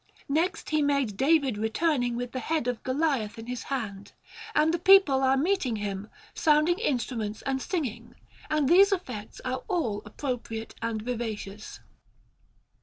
Next, he made David returning with the head of Goliath in his hand, and the people are meeting him, sounding instruments and singing; and these effects are all appropriate and vivacious.